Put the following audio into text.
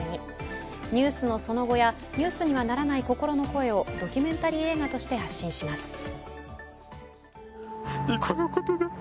ニュースのその後や、ニュースにはならない心の声をドキュメンタリー映画として発信します。